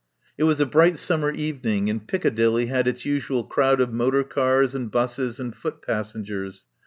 It was a bright summer evening, and Pic cadilly had its usual crowd of motor cars and busses and foot passengers.